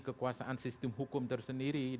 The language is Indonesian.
kekuasaan sistem hukum tersendiri